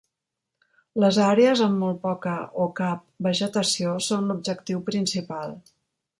Les àrees amb molt poca o cap vegetació són l'objectiu principal.